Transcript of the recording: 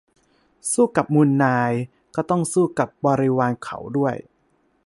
- สู้กับมูลนาย ก็ต้องสู้กับบริวารเขาด้วย